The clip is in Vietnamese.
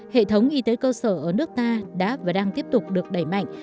hệ thống y tế cơ sở ở nước ta đã và đang tiếp tục được đẩy mạnh